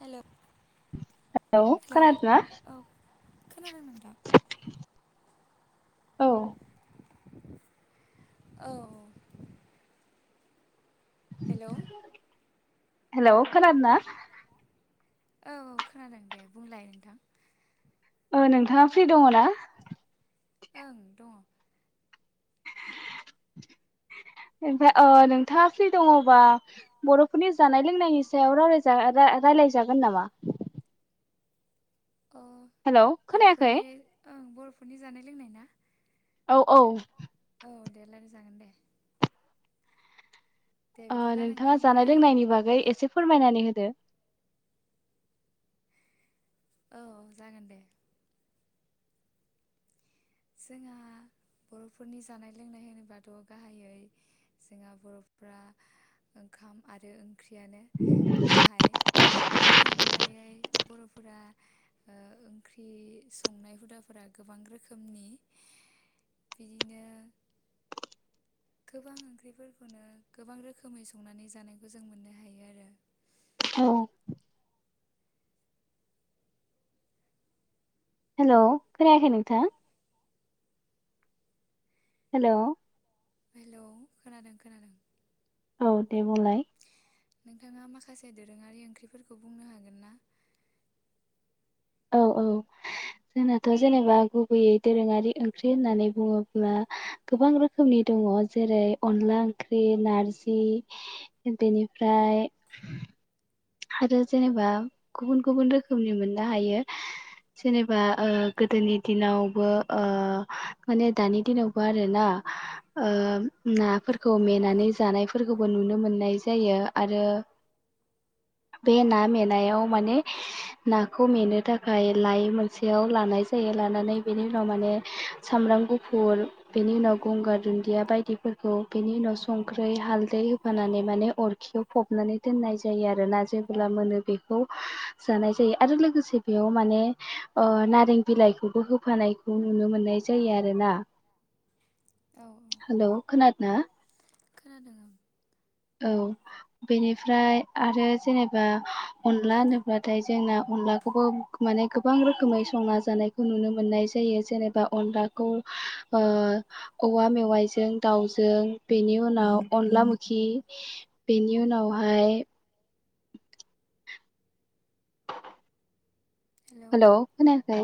हेल hello हेल' खोनादोंना औ खोनादों नोंथां औ औ हेलौ हेल' खोनादोना? औ खोनादों दे बुंलाय नोंथां ओ नोंथाङा फ्रि दङ ना? ओं दङ [inaudible] ओ नोंथाङा फ्रि दङबा बर'फोरनि जानाय लोंनायनि सायाव राइलाय रा-रा-रायलाय जागोन नामा? ओ हेलौ खोनायाखै बर'फोरनि ओं बर'फोरनि जानाय लोंनाय ना औ औ। औ दे रायलाय जागोन दे दे ओ बिदिब्ला नोंथाङा नोंथां जानाय ओमफ्राय लोंनायनि बागै एसे' फोरमायनानै हो औ जागोन दे जोंहा बर'फोरनि जानाय लोंनाय होनोबाथ' गाहायै जोंहा बर'फ्रा ओंखाम आरो ओंख्रियानो गाहाय बेनि अनगायै बर'फोरा ओ ओंख्रि संनाय हुदाफोरा गोबां रोखो रोखोमनि बिदिनो गोबां ओंख्रिफोरखौनो गोबां रोखोमै संनानै जानायखौ जों मोननो हायो आरो औ हेलौ' खोनायाखै नोंथां हेलौ' हेलौ' खोनादों खोनादों औ दे बुंलाय नोंथाङा माखासे दोरोङारि ओंख्रिफोरखौ बुंनो हागोन ना औ औ जोंनाथ' जेनेबा गुबैयै दोरोङारि ओंख्रि होननानै बुङोब्ला गोबां रोखोमनि दङ जेरै-अनला ओंख्रि नारजि बेनिफ्राय आरो जेनेबा गुबुन गुबुन रोखोमनि मोननो हायो। जेनेबा ओ गोदोनि दिनावबो ओ माने दानि दिनावबो आरोना ओ नाफोरखौ मेनानै जानायफोरखौबो नुनो मोननाय जायो। आरो बे ना' मेनायाव माने ना'खौ मेनो थाखाय लायो मोन सेयाव लानाय जायो लानानै बेनि उनाव माने सामब्राम गुफुर बेनि उनाव गंगार दुन्दिया बायदिफोरखौ बेनि उनाव संख्रै हालदै होफानानै माने अरखियाव फबनानै दोननाय जा यो। आरोना जेबोला मोनो बेखौ जानाय जायो। आरो लोगोसे बेयाव माने ओ नारें बिलाइखौबो होफानायखौ नुनो मोननाय जायो। आरोना औ औ हेलौ' खोनादोंना खोनादों आं औ बेनिफ्राय आरो जेनेबा अनला होनोब्लाथाय जोंना अनलाखौबो माने गोबां रोखोमै संना जानायखौ नुनो मोननाय जायो। जेनेबा अनलाखौ ओ औवा' मेवाइजों दाउजों बेनि उनाव अनला मोखि बेनि उनावहाय हेलौ' खोनायाखै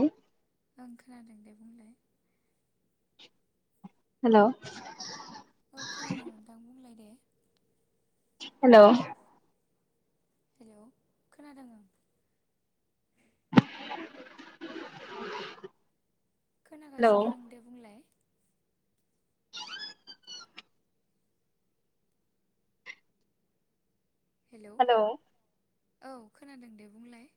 ओं खोनादों दे बुंलाय हेल' औ खोनादों नोंथां बुंलाय दे हेल' हेलौ खोनादों ओं खोनागासिनो आं हेलौ दे बुंलाय हेलौ' औ खोनादों दे बुंलाय